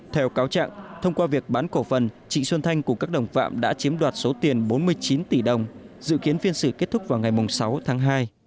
theo cáo trạng thông qua việc bán cổ phần trịnh xuân thanh cùng các đồng phạm đã chiếm đoạt số tiền bốn mươi chín tỷ đồng dự kiến phiên xử kết thúc vào ngày sáu tháng hai